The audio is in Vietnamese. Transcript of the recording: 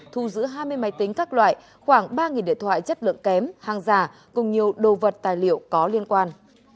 thu giữ hai mươi máy tính các loại khoảng ba điện thoại chất lượng kém hàng giả cùng nhiều đồ vật tài liệu có liên quan